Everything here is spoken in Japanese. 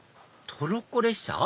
トロッコ列車？